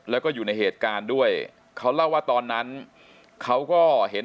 แล้วก็อยู่ในเหตุการณ์ด้วยเขาเล่าว่าตอนนั้นเขาก็เห็น